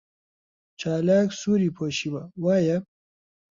چالاک سووری پۆشیوە، وایە؟